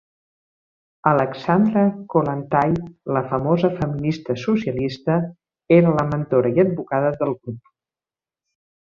Alexandra Kollontai, la famosa feminista socialista, era la mentora i advocada del grup.